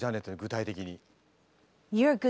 具体的に。